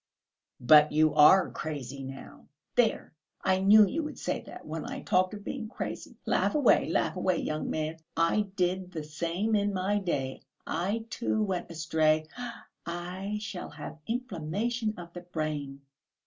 "But you are crazy now...." "There, I knew you would say that ... when I talked of being crazy. Laugh away, laugh away, young man. I did the same in my day; I, too, went astray! Ah, I shall have inflammation of the brain!"